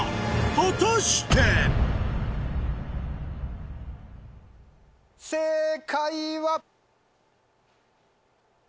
果たして⁉正解は？